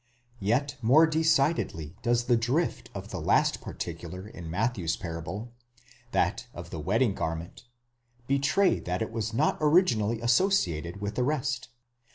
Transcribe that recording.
Yet more decidedly does the drift of the last particular in Mat thew's parable, that of the wedding garment, betray that it was not originally associated with the rest.